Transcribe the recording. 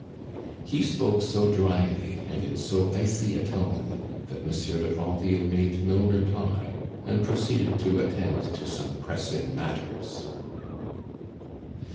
He spoke so drily, and in so icy a tone, that Monsieur de Granville made no reply, and proceeded to attend to some pressing matters.